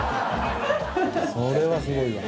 それはすごいわ。